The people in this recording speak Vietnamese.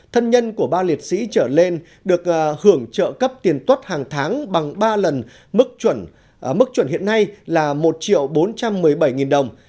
thân nhân của ba liệt sĩ trở lên được hưởng trợ cấp tiền tuất hàng tháng bằng ba lần mức chuẩn hiện nay là một bốn trăm một mươi bảy đồng